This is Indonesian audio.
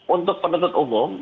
untuk penduduk umum